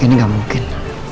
ini gak mungkin